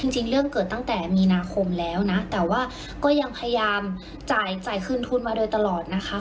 จริงเรื่องเกิดตั้งแต่มีนาคมแล้วนะแต่ว่าก็ยังพยายามจ่ายคืนทุนมาโดยตลอดนะคะ